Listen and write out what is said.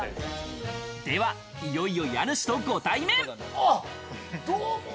では、いよいよ家主とご対面。